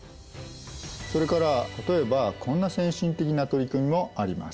それから例えばこんな先進的な取り組みもあります。